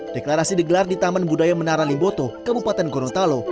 deklarasi digelar di taman budaya menara limboto kabupaten gorontalo